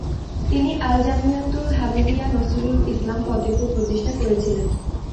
তিনি আল জামিয়াতুল হামিদিয়া নছিরুল ইসলাম ফতেহপুর প্রতিষ্ঠা করেছিলেন।